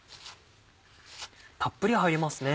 たっぷり入りますね。